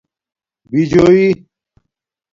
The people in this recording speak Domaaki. بِجُویٔ